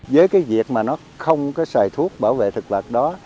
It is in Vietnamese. với cái việc mà nó không có xài thuốc bảo vệ thực vật đó